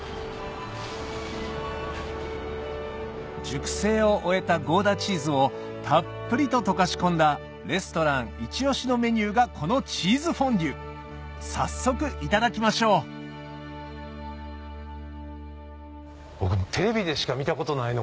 熟成を終えたゴーダチーズをたっぷりと溶かし込んだレストランいち押しのメニューがこのチーズフォンデュ早速いただきましょう僕テレビでしか見たことないの。